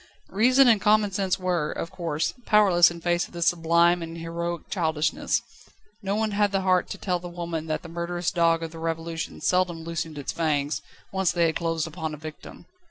Reason and common sense were, of course, powerless in face of this sublime and heroic childishness. No one had the heart to tell the old woman that the murderous dog of the Revolution seldom loosened its fangs, once they had closed upon a victim.